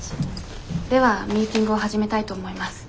ではミーティングを始めたいと思います。